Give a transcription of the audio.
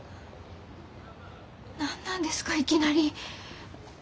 何なんですかいきなり。